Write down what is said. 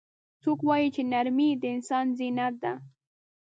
څوک وایي چې نرمۍ د انسان زینت ده